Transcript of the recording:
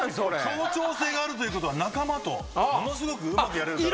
協調性があるということは仲間とものすごくうまくやれるから。